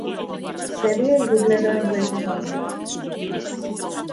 Седеа и го гледаат зајдисонцето.